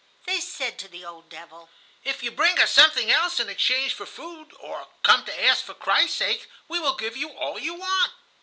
They said to the old devil: "If you bring us something else in exchange for food, or come to ask for Christ's sake, we will give you all you want."